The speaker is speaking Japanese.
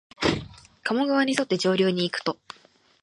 加茂川にそって上流にいくと、